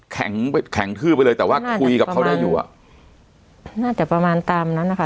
แข็งทืบไปเลยแต่ว่าคุยกับเขาได้อยู่อ่ะน่าจะประมาณตามนั้นนะคะ